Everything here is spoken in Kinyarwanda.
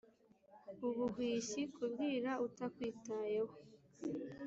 ubuhwishi, kubwira utakwitayeho